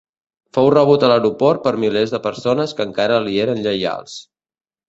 Fou rebut a l'aeroport per milers de persones que encara li eren lleials.